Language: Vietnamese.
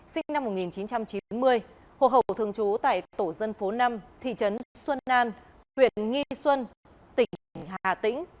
sinh năm một nghìn chín trăm chín mươi hồ hậu thường trú tại tổ dân phố năm thị trấn xuân an huyện nghi xuân tỉnh hà tĩnh